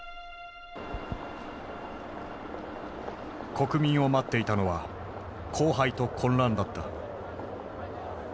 国民を待っていたのは荒廃と混乱だった。